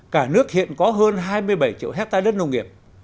cả nước hiện có hơn hai mươi bảy triệu hectare đất nông nghiệp